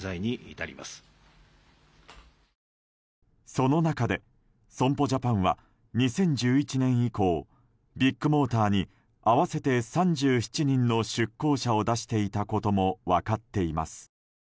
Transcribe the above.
その中で、損保ジャパンは２０１１年以降ビッグモーターに合わせて３７人の出向者を出していたことも分かっています。